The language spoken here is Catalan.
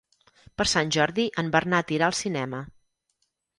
Per Sant Jordi en Bernat irà al cinema.